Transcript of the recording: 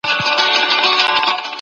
د سرغړوني پایله څه ده؟